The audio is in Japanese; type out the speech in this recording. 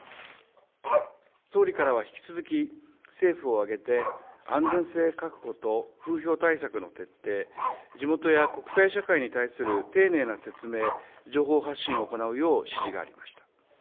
総理からは引き続き、政府を挙げて、安全性確保と風評対策の徹底、地元や国際社会に対する丁寧な説明、情報発信を行うよう指示がありました。